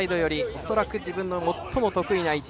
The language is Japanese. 恐らく自分の最も得意な位置。